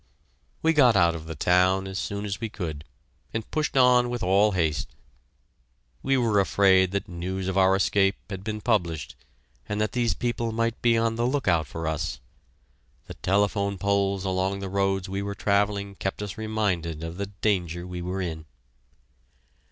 We got out of the town as soon as we could, and pushed on with all haste; we were afraid that news of our escape had been published, and that these people might be on the lookout for us. The telephone poles along the roads we were travelling kept us reminded of the danger we were in.